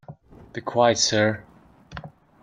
Be quiet, sir!